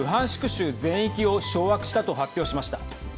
州全域を掌握したと発表しました。